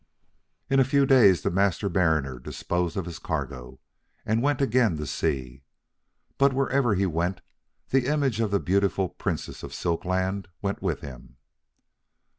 In a few days, the Master Mariner disposed of his cargo, and went again to sea. But wherever he went, the image of the beautiful Princess of Silk Land went with him.